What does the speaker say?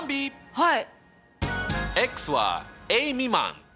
はい。